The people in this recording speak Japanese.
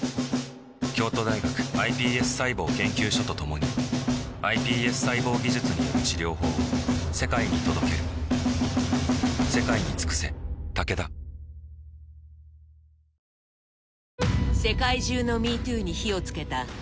京都大学ｉＰＳ細胞研究所と共にｉＰＳ細胞技術による治療法を世界に届けるそれでは、那須さんに歌っていただきます。